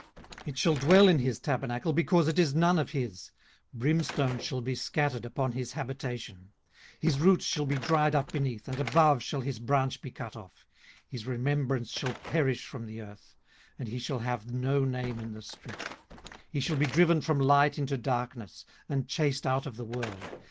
18:018:015 It shall dwell in his tabernacle, because it is none of his: brimstone shall be scattered upon his habitation. 18:018:016 His roots shall be dried up beneath, and above shall his branch be cut off. 18:018:017 His remembrance shall perish from the earth, and he shall have no name in the street. 18:018:018 He shall be driven from light into darkness, and chased out of the world.